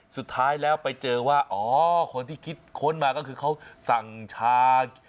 สุดท้ายแล้วไปเจอว่าอ๋อคนที่คิดค้นมาก็คือเขาสั่งชา